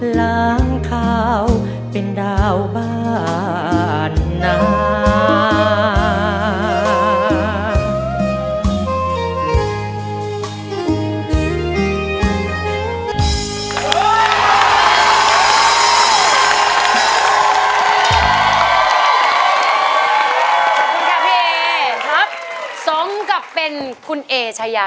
ล้างข้าวเป็นดาวบ้านนา